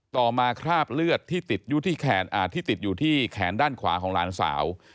ต่อมาคราบเลือดที่ติดอยู่ที่แขนด้านขวาของหลานสาว